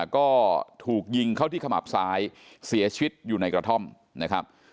ก็ถูกยิงเข้าที่ขมับซ้ายเสียชีวิตอยู่ในกระท่อมนะครับ